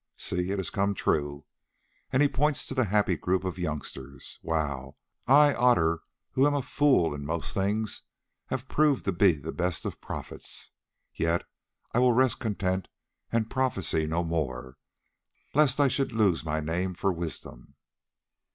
See, it has come true," and he points to the happy group of youngsters. "Wow! I, Otter, who am a fool in most things, have proved to be the best of prophets. Yet I will rest content and prophesy no more, lest I should lose my name for wisdom."